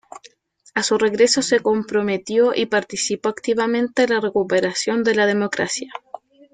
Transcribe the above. A su regreso se comprometió y participó activamente en la recuperación de la democracia.